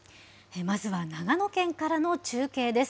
まずは長野県からの中継です。